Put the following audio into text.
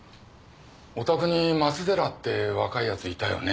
おたくに松寺って若いやついたよね？